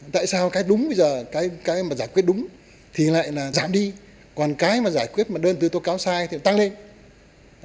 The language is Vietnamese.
tại sao cái đúng bây giờ cái mà giải quyết đúng thì lại là giảm đi còn cái mà giải quyết mà đơn thư tố cáo sai thì tăng lên